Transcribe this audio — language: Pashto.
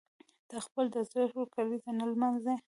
ته خپله د زوکړې کلیزه نه لمانځي.